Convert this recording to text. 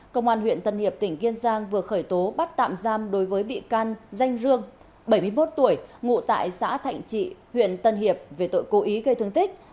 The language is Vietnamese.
công an huyện tân hiệp tỉnh kiên giang vừa khởi tố bắt tạm giam đối với bị can danh dương bảy mươi một tuổi ngụ tại xã thạnh trị huyện tân hiệp về tội cố ý gây thương tích